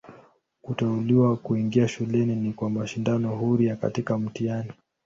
Kuteuliwa kuingia shuleni ni kwa mashindano huria katika mtihani.